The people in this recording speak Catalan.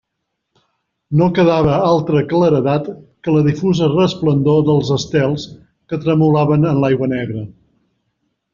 No quedava altra claredat que la difusa resplendor dels estels, que tremolaven en l'aigua negra.